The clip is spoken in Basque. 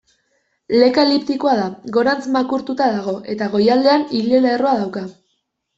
Leka eliptikoa da, gorantz makurtuta dago, eta goialdean ile-lerroa dauka.